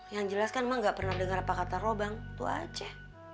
yang jelas kan emak gak pernah denger apa kata robang itu aja